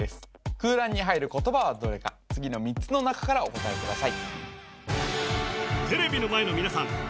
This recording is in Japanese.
空欄に入る言葉はどれか次の３つの中からお答えください